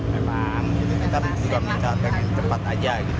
memang kita juga minta cepat aja